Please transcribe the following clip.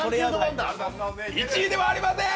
太郎１位ではありません。